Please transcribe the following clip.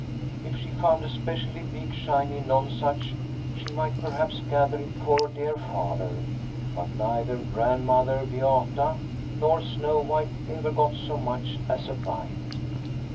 If she found a specially big shiny nonesuch, she might perhaps gather it for dear Father, but neither Grandmother Beata nor Snow White ever got so much as a bite.